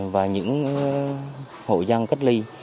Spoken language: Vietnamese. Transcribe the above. và những hội dân cách ly